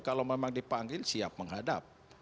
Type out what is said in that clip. kalau memang dipanggil siap menghadap